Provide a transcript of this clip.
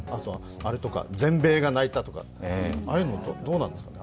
あと、「全米が泣いた」とかああいうの、どうなんですか。